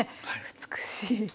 美しい。